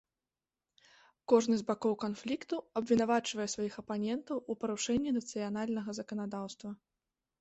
Кожны з бакоў канфлікту абвінавачвае сваіх апанентаў у парушэнні нацыянальнага заканадаўства.